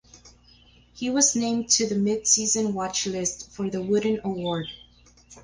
He was named to the midseason watchlist for the Wooden Award.